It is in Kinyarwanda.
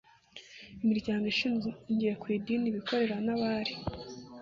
imiryango ishingiye ku idini abikorera n abari